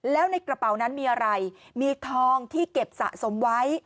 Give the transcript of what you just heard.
แล้วในกระเป๋านั้นมีอะไรมีทองที่เก็บสะสมไว้